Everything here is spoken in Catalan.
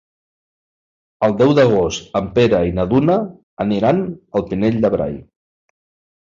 El deu d'agost en Pere i na Duna aniran al Pinell de Brai.